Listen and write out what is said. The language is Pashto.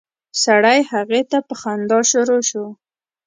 سړی هغې ته په خندا شروع شو.